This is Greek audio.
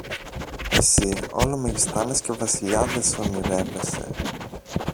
Εσύ όλο μεγιστάνες και βασιλιάδες ονειρεύεσαι